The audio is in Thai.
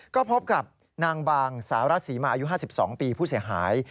ก็พบกับนางบางสารัสศรีมาอายุ๕๒ปีผู้เสียหาย